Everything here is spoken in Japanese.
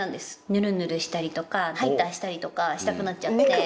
ヌルヌルしたりとかハイターしたりとかしたくなっちゃって。